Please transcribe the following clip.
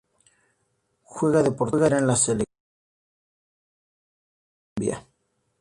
Juega de portera en la Selección femenina de fútbol de Colombia.